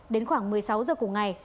đến khoảng một mươi sáu h cùng ngày